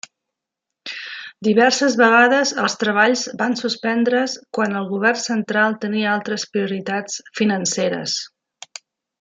Diverses vegades els treballs van suspendre's quan el govern central tenia altres prioritats financeres.